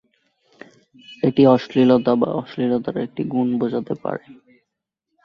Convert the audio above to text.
এটি অশ্লীলতা বা অশ্লীলতার একটি গুণ বোঝাতে পারে।